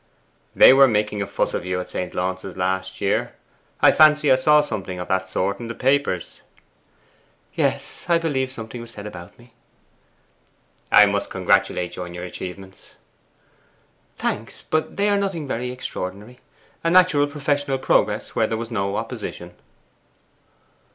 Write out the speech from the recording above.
'They were making a fuss about you at St. Launce's last year. I fancy I saw something of the sort in the papers.' 'Yes; I believe something was said about me.' 'I must congratulate you on your achievements.' 'Thanks, but they are nothing very extraordinary. A natural professional progress where there was no opposition.